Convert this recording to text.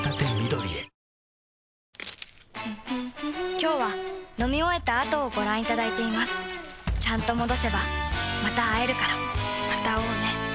今日は飲み終えた後をご覧いただいていますちゃんと戻せばまた会えるからまた会おうね。